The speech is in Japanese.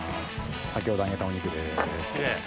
先ほど揚げたお肉です。